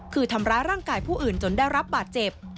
คือทำร้ายร่างกายผู้อื่นจนได้รับบาดเจ็บ